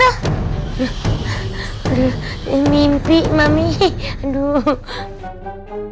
iya aduh mami mimpi buruk tahu enggak